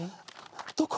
どこ？